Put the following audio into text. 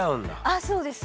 あそうです